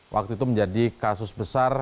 waktu itu menjadi kasus besar